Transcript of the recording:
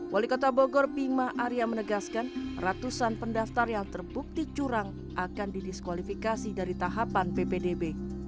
wali kota bogor bima arya menegaskan ratusan pendaftar yang terbukti curang akan didiskualifikasi dari tahapan ppdb